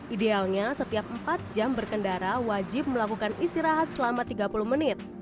idealnya setiap empat jam berkendara wajib melakukan istirahat selama tiga puluh menit